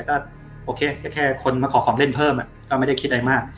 ก็โอเคก็แค่คนมาขอของเล่นเพิ่มก็ไม่ได้คิดอะไรมาก